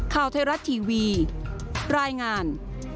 ข่าวไทยรัฐทีวีรายงาน